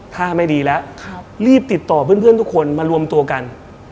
ท่าไม่ดีแล้วรีบติดต่อเพื่อนทุกคนมารวมตัวกัน